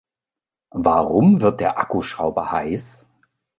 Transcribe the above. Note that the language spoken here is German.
Warum wird der Akkuschrauber heiß?